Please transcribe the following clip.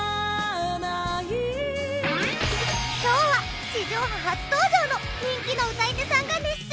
今日は地上波初登場の人気の歌い手さんが熱唱！